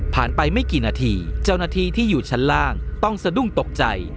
ไปไม่กี่นาทีเจ้าหน้าที่ที่อยู่ชั้นล่างต้องสะดุ้งตกใจ